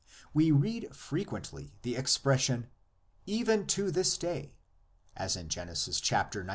We read frequently the expression "even to this day," as in Genesis xix.